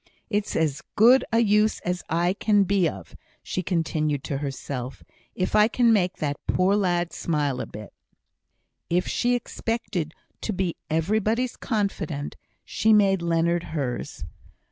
It's as good a use as I can be of," she continued to herself, "if I can make that poor lad smile a bit." If she expected to be everybody's confidante, she made Leonard hers.